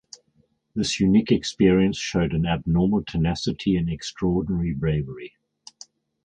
This unique experience showed an abnormal tenacity and extraordinary bravery.